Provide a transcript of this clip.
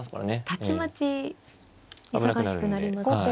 たちまち忙しくなりますね。